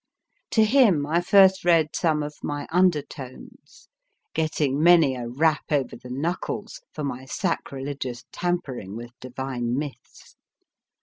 To him I first read some of my Undertones/ getting ROBERT BUCHANAN 289 many a rap over the knuckles for my sacrilegious tampering with Divine Myths.